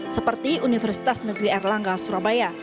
seperti universitas negeri erlangga surabaya